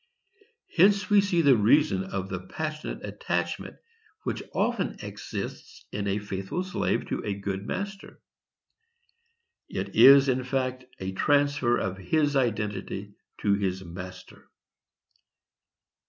Hence we see the reason of the passionate attachment which often exists in a faithful slave to a good master. It is, in fact, a transfer of his identity to his master.